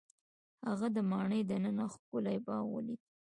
هغه د ماڼۍ دننه ښکلی باغ ولید.